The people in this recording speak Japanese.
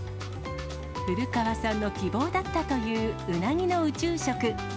古川さんの希望だったといううなぎの宇宙食。